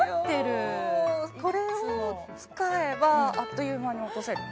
これを使えばあっという間に落とせる